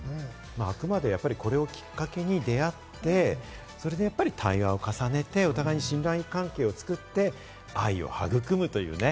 あくまでこれをきっかけに出会って、やっぱり対話を重ねてお互い信頼関係を作って愛を育むというね。